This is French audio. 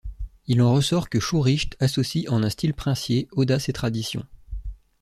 Il en ressort que Schuricht associe en un style princier audace et tradition.